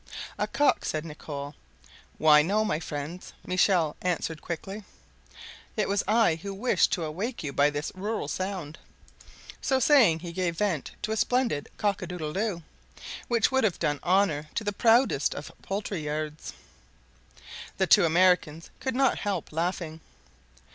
"A cock!" said Nicholl. "Why no, my friends," Michel answered quickly; "it was I who wished to awake you by this rural sound." So saying, he gave vent to a splendid cock a doodledoo, which would have done honor to the proudest of poultry yards. The two Americans could not help laughing.